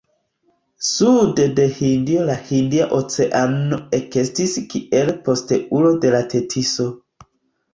Sude de Hindio la Hindia Oceano ekestis kiel posteulo de la Tetiso.